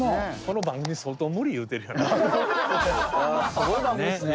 すごい番組ですね。